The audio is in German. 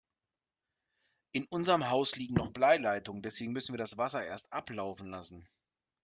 In unserem Haus liegen noch Bleileitungen, deswegen müssen wir das Wasser erst ablaufen lassen.